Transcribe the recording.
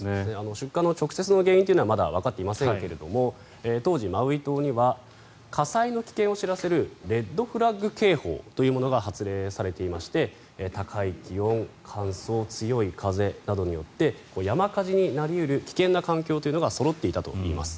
出火の直接の原因はまだわかっていませんが当時、マウイ島には火災の危険を知らせるレッド・フラッグ警報というものが発令されていまして高い気温、乾燥強い風などによって山火事になり得る危険な環境というのがそろっていたといいます。